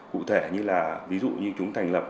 cụ thể như là ví dụ như chúng thành lập